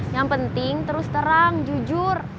yang penting terus terang jujur